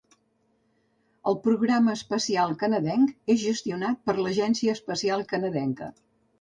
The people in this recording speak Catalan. El Programa Espacial Canadenc és gestionat per l'Agència Espacial Canadenca.